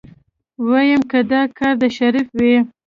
ويم که دا کار د شريف وي.